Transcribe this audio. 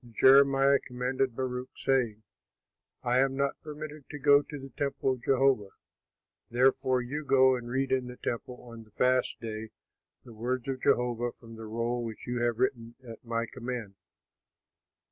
And Jeremiah commanded Baruch, saying, "I am not permitted to go to the temple of Jehovah. Therefore you go and read in the temple on the fast day the words of Jehovah from the roll which you have written at my command.